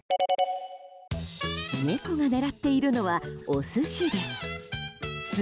猫が狙っているのはお寿司です。